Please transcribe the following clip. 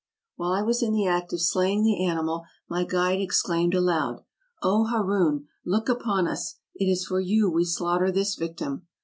While I was in the act of slaying the animal my guide exclaimed aloud, " O Haroun, look upon us! it is for you we slaughter this victim